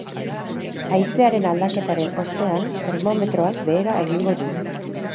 Haizearen aldaketaren ostean termometroak behera egingo du.